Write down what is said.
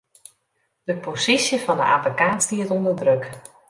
De posysje fan 'e abbekaat stiet ûnder druk.